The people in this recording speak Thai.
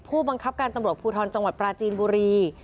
ผู้บังคับการตำรวจภูทรจังหวัดปราจีนบุรี